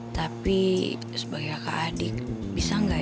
tapi sebagai kakak adik bisa nggak ya